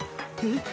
えっ？